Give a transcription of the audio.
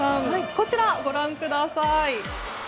こちら、ご覧ください。